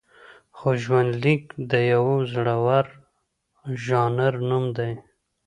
خو ژوندلیک د یوه زړور ژانر نوم دی.